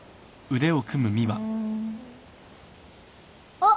あっ。